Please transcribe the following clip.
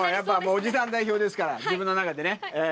おじさん代表ですから、自分の中でね。